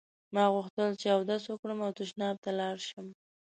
ما غوښتل چې اودس وکړم او تشناب ته لاړ شم.